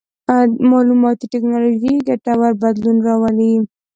مالوماتي ټکنالوژي ګټور بدلون راولي.